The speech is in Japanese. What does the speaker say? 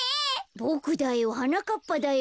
ボクだよはなかっぱだよ